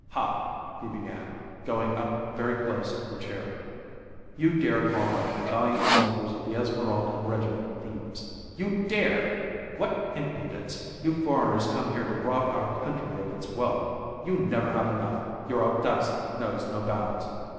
"Ha!" he began, going up very close to the chair. "You dare call my valiant soldiers of the Esmeralda regiment, thieves. You dare! What impudence! You foreigners come here to rob our country of its wealth. You never have enough! Your audacity knows no bounds."